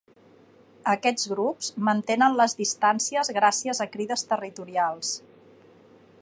Aquests grups mantenen les distàncies gràcies a crides territorials.